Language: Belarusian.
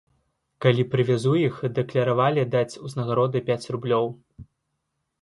Калі прывязу іх, дакляравалі даць узнагароды пяць рублёў.